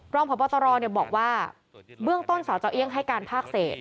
ร่องพตรเนี่ยบอกว่าเบื้องต้นสเจ้าเอี้ยงให้การพากเศษ